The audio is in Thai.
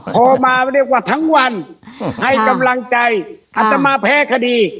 โทรมาเรียกว่าทั้งวันให้กำลังใจอัตมาแพ้คดี